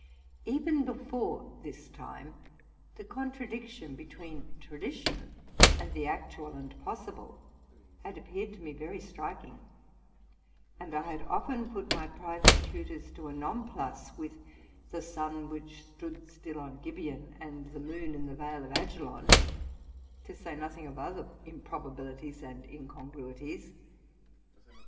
Even before this time, the con tradiction between tradition, and the actual and possible, had appeared to me very striking ; and I had often put my private tutors to a non plus with the sun which stood still on Gibeon, and the moon in the vale of Ajalon, to say nothing of other improbabilities and incongruities.